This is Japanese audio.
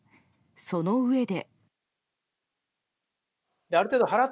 そのうえで。